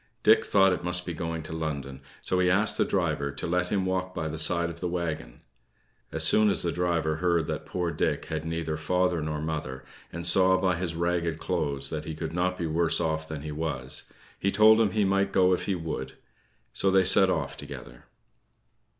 Dick thought it must be going to London, so he asked the driver to let him walk by the side of the wagon. As soon as the driver heard that poor Dick had neither father nor mother, and saw by his ragged clothes that he could not be worse off than he was, he told him he might go if he would; so they set off together.